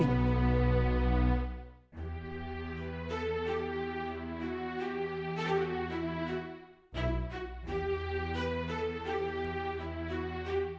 penelitiannya habis ini